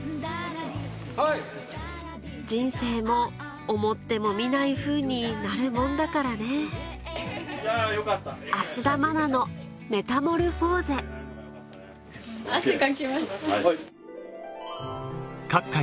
人生も思ってもみないふうになるもんだからね芦田愛菜のメタモルフォーゼ汗かきました。